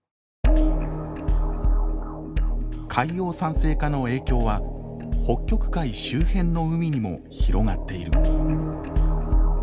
海洋酸性化の影響は北極海周辺の海にも広がっている。